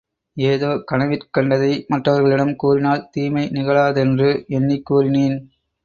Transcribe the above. ஏதோ கனவிற் கண்டதை மற்றவர்களிடம் கூறினால் தீமை நிகழாதென்று எண்ணிக் கூறினேன்.